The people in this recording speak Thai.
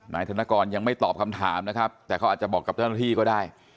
ธนกรยังไม่ตอบคำถามนะครับแต่เขาอาจจะบอกกับเจ้าหน้าที่ก็ได้